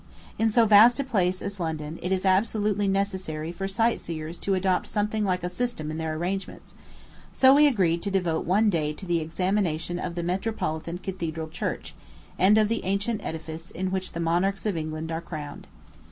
In so vast a place as London, it is absolutely necessary for sight seers to adopt something like system in their arrangements; so we agreed to devote one day to the examination of the metropolitan Cathedral Church, and of the ancient edifice in which the monarchs of England are crowned.